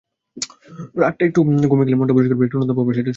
রাগটা হয়ে গেলেই মনটা পরিষ্কার হবে– একটু অনুতাপও হবে– সেইটেই সুযোগের সময়।